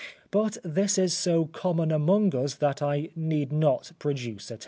But this is so common among us that I need not produce a testimony.